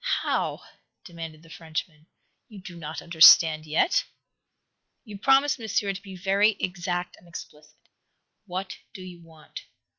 "How?" demanded the Frenchman. "You do not understand yet?" "You promised, Monsieur, to be very exact and explicit. What do you want?"